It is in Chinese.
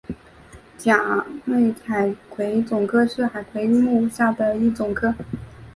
甲胄海葵总科是海葵目下的一总科。